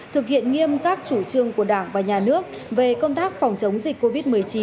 thực hiện nghiêm các chủ trương của đảng và nhà nước về công tác phòng chống dịch covid một mươi chín